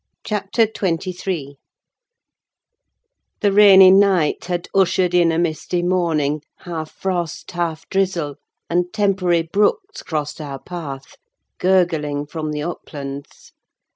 CHAPTER XXIII The rainy night had ushered in a misty morning—half frost, half drizzle—and temporary brooks crossed our path—gurgling from the uplands.